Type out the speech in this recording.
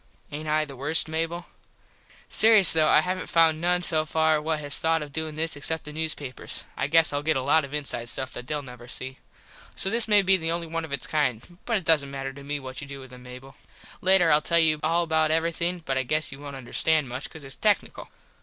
Aint I the worst, Mable? Serious though I havnt found noone so far what has thought of doin this except the newspapers. I guess Ill get a lot of inside stuff that theyll never see. So this may be the only one of its kind. But it doesnt matter to me what you do with them, Mable. Later Ill tell you all about everything but I guess you wont understand much cause its tecknickle.